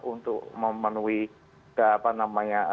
untuk memenuhi apa namanya